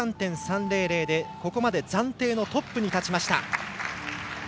でここまで暫定のトップに立ちました。